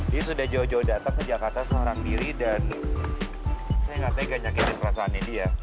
dia sudah jauh jauh datang ke jakarta seorang diri dan saya gak tega nyakitin perasaannya dia